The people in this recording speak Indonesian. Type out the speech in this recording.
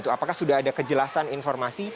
apakah sudah ada kejelasan informasi